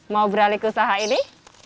mau beralih ke usaha ini